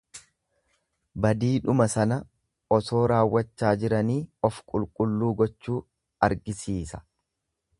Badiidhuma sana osoo raawwachaa jiranii of qulqulluu gochuu argisiisa.